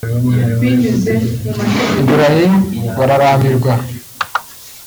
Ibrahim Bararambirwa